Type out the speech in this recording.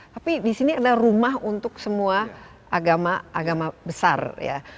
tapi di sini ada rumah untuk semua agama agama besar ya